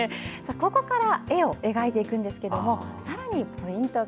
ここから絵を描くんですけどさらにポイントが。